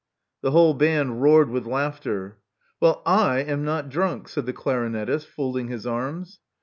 " The whole band roared with laughter. Well, 7am not drunk," said the clarinettist, folding his arms.